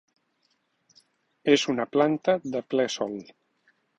És una planta de ple sol.